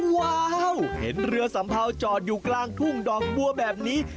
ว้าวเห็นเรือสัมเภาจอดอยู่กลางทุ่งดอกบัวแบบนี้